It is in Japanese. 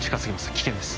危険です